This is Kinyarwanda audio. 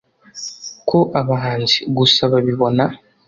ko abahanzi gusa babibona.